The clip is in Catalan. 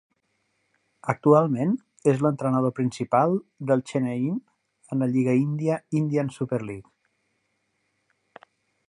Actualment, és l'entrenador principal de Chennaiyin en la lliga índia Indian Super League.